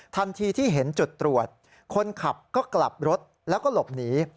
ทันทีที่เห็นจุดตรวจคนขับก็กลับรถแล้วก็หลบหนี